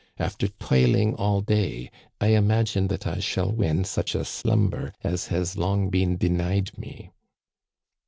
After toiling all day, I imagine that I shall win such a slumber as has long been denied me."